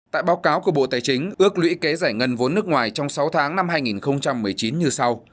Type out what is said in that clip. tại báo cáo của bộ tài chính ước lũy kế giải ngân vốn nước ngoài trong sáu tháng năm hai nghìn một mươi chín như sau